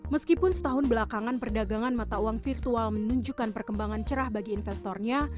meskipun setahun belakangan perdagangan mata uang virtual menunjukkan perkembangan cerah bagi investornya